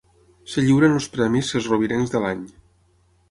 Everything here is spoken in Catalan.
Es lliuren els Premis Sesrovirencs de l'any.